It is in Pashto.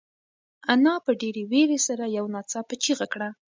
انا په ډېرې وېرې سره یو ناڅاپه چیغه کړه.